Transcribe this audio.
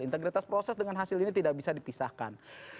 integritas proses dengan hasil ini tidak bisa dipisahkan